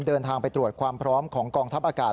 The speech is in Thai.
เดินทางไปตรวจความพร้อมของกองทัพอากาศ